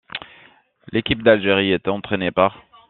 L'équipe d'Algérie est entraînée par.